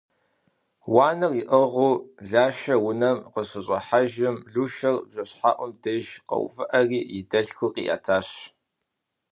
Уанэр иӏыгъыу Лашэр унэм къыщыщӏыхьэжым, Лушэр бжэщхьэӏум деж къэуври, и дэлъхур къиӏэтщ.